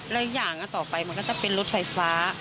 และอีกอย่างต่อไปมันก็จะเป็นรถไฟฟ้า